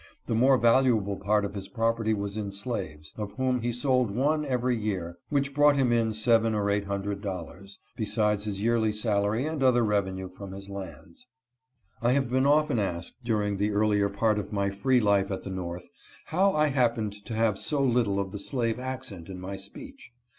The more valuable part of his property was in slaves, of whom he sold one every year, which brought him in seven or eight hundred dollars, besides his yearly salary and other revenue from his lands. THE LAW OF COMPENSATION. 49 I have been often asked, during the earlier part of my free life at the North, how I happened to have so little of the slave accent in my speech.